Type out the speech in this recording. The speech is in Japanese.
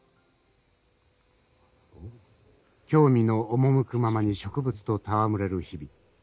興味の赴くままに植物と戯れる日々。